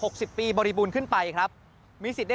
กลับวันนั้นไม่เอาหน่อย